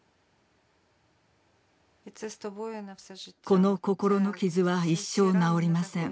この心の傷は一生治りません。